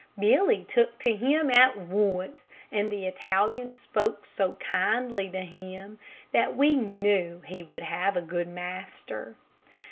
Billy took to him at once, and the Italian spoke so kindly to him, that we knew he would have a good master.